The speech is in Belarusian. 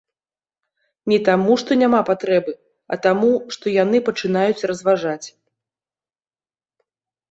Не таму, што няма патрэбы, а таму, што яны пачынаюць разважаць.